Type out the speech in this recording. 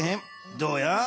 どうや？